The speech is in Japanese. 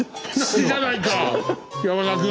一緒じゃないか山田君。